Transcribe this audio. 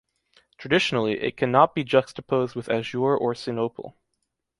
Traditionally, it can not be juxtaposed with azure or sinople.